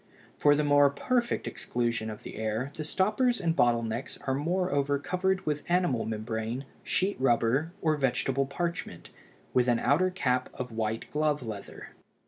For the more perfect exclusion of the air the stoppers and bottle necks are moreover covered with animal membrane, sheet rubber, or vegetable parchment, with an outer cap of white glove leather.